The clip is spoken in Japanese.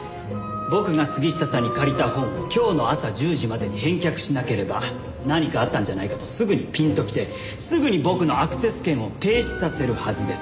僕が杉下さんに借りた本を今日の朝１０時までに返却しなければ何かあったんじゃないかとすぐにピンときてすぐに僕のアクセス権を停止させるはずです。